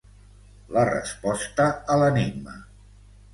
La resposta a l'enigma.